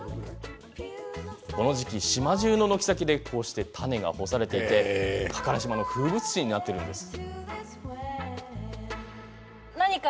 この時期島じゅうの軒先で種が干されていて加唐島の風物詩にもなっているんです。